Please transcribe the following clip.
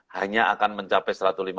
hanya akan mencapai satu ratus lima puluh